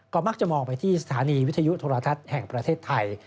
ก็มักจะมองไปที่สถานีวิทยุโทรทัศน์แห่งประเทศไทย